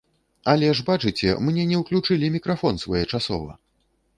Але ж бачыце, мне не ўключылі мікрафон своечасова!